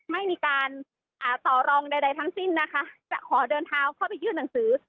ไม่มีการต่อรองใดทั้งสิ้นนะคะจะขอเดินเท้าเข้าไปยื่นหนังสือ